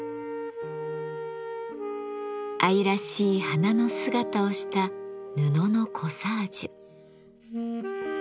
愛らしい花の姿をした布のコサージュ。